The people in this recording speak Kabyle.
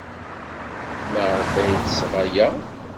Maɣef ay d-tesɣa aya?